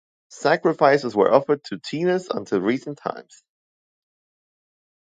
Sacrifices were offered to Tenes until recent times.